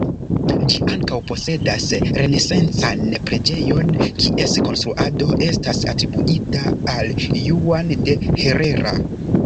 Ĝi ankaŭ posedas renesancan preĝejon kies konstruado estas atribuita al Juan de Herrera.